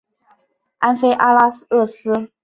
安菲阿拉俄斯。